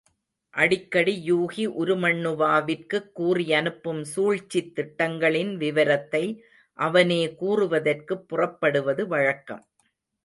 அடிக்கடி யூகி, உருமண்ணுவாவிற்குக் கூறியனுப்பும் சூழ்ச்சித் திட்டங்களின் விவரத்தை அவனே கூறுவதற்குப் புறப்படுவது வழக்கம்.